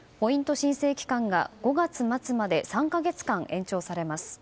申請期間が５月末まで３か月間、延長されます。